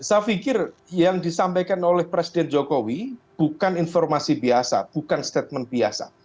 saya pikir yang disampaikan oleh presiden jokowi bukan informasi biasa bukan statement biasa